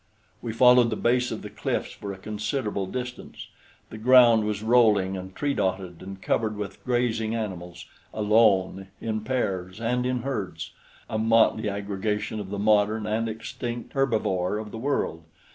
We followed the base of the cliffs for a considerable distance. The ground was rolling and tree dotted and covered with grazing animals, alone, in pairs and in herds a motley aggregation of the modern and extinct herbivora of the world.